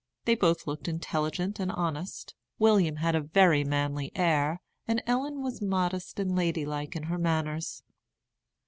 They both looked intelligent and honest. William had a very manly air, and Ellen was modest and ladylike in her manners.